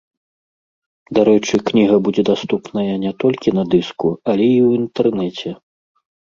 Дарэчы, кніга будзе даступная не толькі на дыску, але і ў інтэрнэце.